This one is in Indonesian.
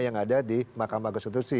yang ada di mahkamah konstitusi